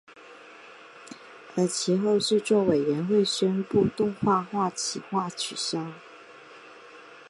而其后制作委员会宣布动画化企划取消。